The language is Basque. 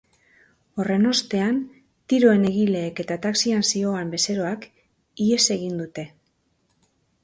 Horren ostean, tiroen egileek eta taxian zihoan bezeroak ihes egin dute.